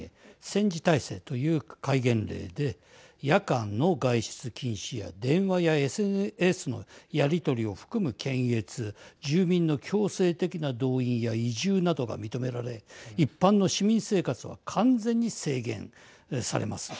戦時体制という戒厳令で夜間の外出禁止や電話やＳＮＳのやり取りを含む検閲住民の強制的な動員や移住などが認められ、一般の市民生活は完全に制限されます。